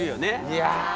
いや。